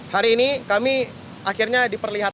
hari ini kami akhirnya diperlihatkan